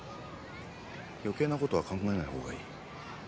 余計なことは考えない方がいい。